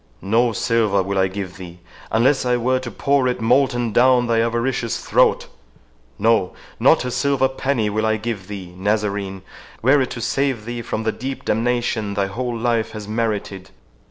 No silver will I give thee, unless I were to pour it molten down thy avaricious throat—no, not a silver penny will I give thee, Nazarene, were it to save thee from the deep damnation thy whole life has merited!